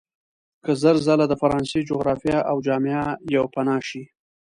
که زر ځله د فرانسې جغرافیه او جامعه پوپناه شي.